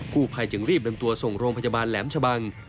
ผู้ภัยจึงรีบนำตัวส่งโรงพยาบาลแหลมชะบัง